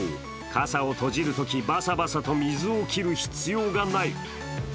傘を閉じるとき、バサバサと水を切る必要がない。